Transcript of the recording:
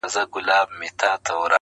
هري خوا ته يې سكروټي غورځولي،